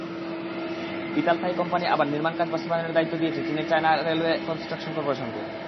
Ital-Thai company আবার নির্মাণকাজ বাস্তবায়নের দায়িত্ব দিয়েছে চীনের চায়না রেলওয়ে কনস্ট্রাকশন করপোরেশনকে।